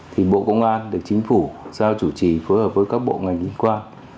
thì bộ công an được chính phủ giao chủ trì phối hợp với các bộ ngành liên quan